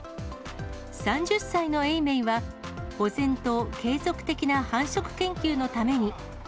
３０歳の永明は、保全と継続的な繁殖研究のために。